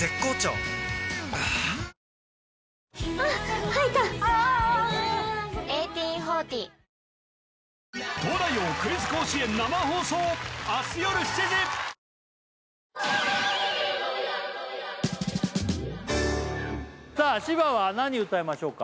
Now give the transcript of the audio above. はぁさあ芝は何歌いましょうか？